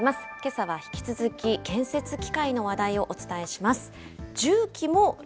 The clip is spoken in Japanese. けさは引き続き、建設機械の話題をお伝えします。